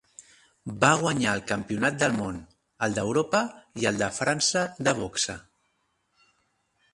Va guanyar el campionat del món, el d’Europa i el de França de boxa.